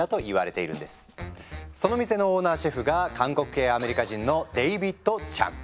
その店のオーナーシェフが韓国系アメリカ人のデイビッド・チャン。